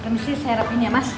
remisi saya rapin ya mas